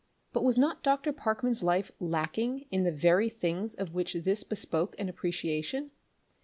But was not Dr. Parkman's life lacking in the very things of which this bespoke an appreciation?